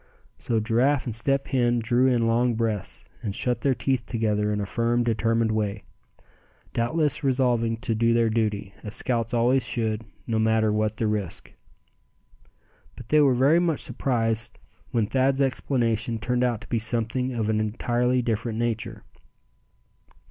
So Giraffe and Step Hen drew in long breaths, and shut their teeth together in a firm, determined way; doubtless resolving to do their duty, as scouts always should, no matter what the risk. But they were very much surprised when Thad's explanation turned out to be something of an entirely different nature.